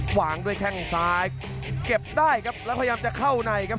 วางด้วยแข้งซ้ายเก็บได้ครับแล้วพยายามจะเข้าในครับ